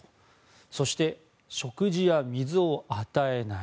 そして、食事や水を与えない。